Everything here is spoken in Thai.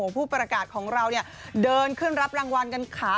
ผู้ประกาศของเราเนี่ยเดินขึ้นรับรางวัลกันขา